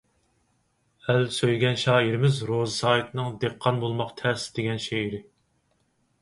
ئەل سۆيگەن شائىرىمىز روزى سايىتنىڭ «دېھقان بولماق تەس» دېگەن شېئىرى.